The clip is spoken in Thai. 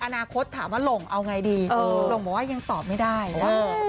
อนาคตถามว่าหลงเอาไงดีหลงบอกว่ายังตอบไม่ได้นะคะ